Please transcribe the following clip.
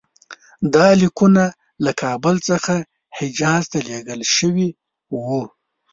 دا لیکونه له کابل څخه حجاز ته لېږل شوي وو.